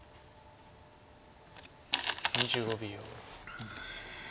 ２５秒。